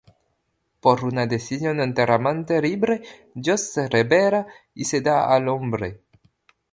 Por una decisión enteramente libre, Dios se revela y se da al hombre.